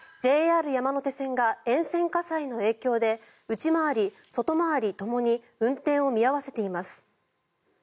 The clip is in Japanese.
ＪＲ山手線が沿線火災の影響で内回り、外回りともに運転を見合わせています。